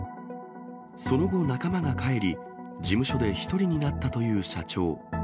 その後、仲間が帰り、事務所で一人になったという社長。